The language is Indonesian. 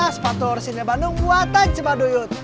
sepatu orsinil bandung buatan cibadoyur